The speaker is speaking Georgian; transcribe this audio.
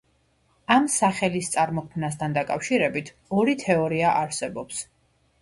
ამ სახელის წარმოქმნასთან დაკავშირებით ორი თეორია არსებობს.